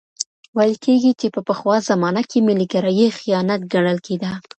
ويل کېږي چي په پخوا زمانه کي ملي ګرايي خيانت ګڼل کېده.